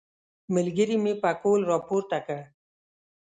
ملګري مې پکول راپورته کړ.